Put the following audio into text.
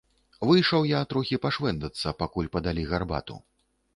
Выйшаў я трохі пашвэндацца, пакуль падалі гарбату.